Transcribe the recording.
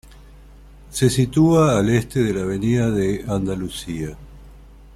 Se sitúa al este de la avenida de Andalucía.